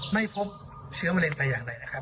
ไม่พบเชื้อมะเร็งแต่อย่างใดนะครับ